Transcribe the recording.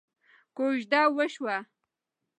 کوژده وشوه.